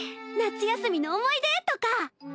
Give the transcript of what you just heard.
夏休みの思い出とか。